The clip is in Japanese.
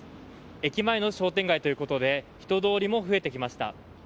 駅前の商店街ということで人通りも増えてきました。